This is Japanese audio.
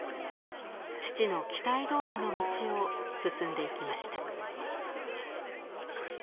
父の期待どおりの道を進んでいきました。